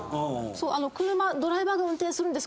車ドライバーが運転するんです。